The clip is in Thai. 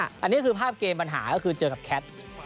อันนี้คือภาพเกมปัญหาเจอกับแคจ